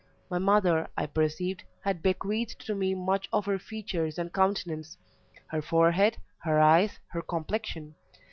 My mother, I perceived, had bequeathed to me much of her features and countenance her forehead, her eyes, her complexion.